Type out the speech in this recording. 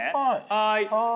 はい。